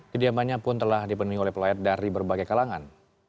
kediamannya pun telah dipenuhi oleh pelayat dari berbagai kalangan